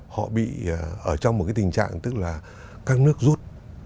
họ bị ở trong một cái tình trạng tức là các nước rút